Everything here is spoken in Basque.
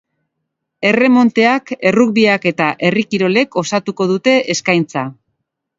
Erremonteak, errugbiak eta herri kirolek osatuko dute eskaintza.